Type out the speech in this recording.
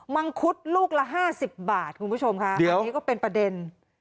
มังคุดลูกละ๕๐บาทคุณผู้ชมค่ะอันนี้ก็เป็นประเด็น